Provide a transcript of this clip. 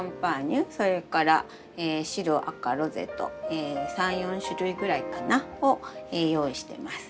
それから白赤ロゼと３４種類ぐらいかな？を用意してます。